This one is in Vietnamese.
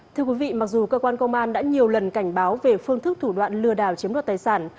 thưa quý vị mặc dù cơ quan công an đã nhiều lần cảnh báo về phương thức thủ đoạn lừa đảo chiếm đoạt tài sản